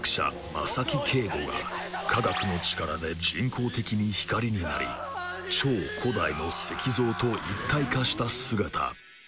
マサキケイゴが科学の力で人工的に光になり超古代の石像と一体化した姿。